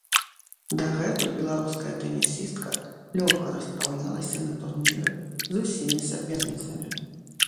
Дагэтуль беларуская тэнісістка лёгка распраўлялася на турніры з усімі саперніцамі.